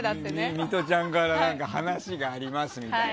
ミトちゃんから話がありますみたいな。